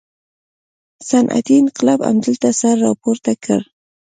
صنعتي انقلاب همدلته سر راپورته کړ.